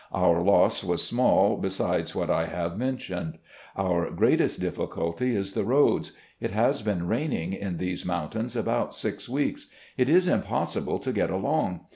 Our loss was small besides what I have mentioned. Our greatest difficulty is the roads. It has been raining in these mountains about six weeks. It is impossible to get along.